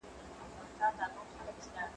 هغه وويل چي کښېناستل ضروري دي!؟